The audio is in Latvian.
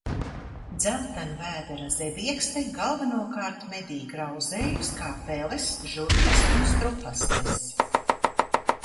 Dzeltenvēdera zebiekste galvenokārt medī grauzējus, kā peles, žurkas un strupastes.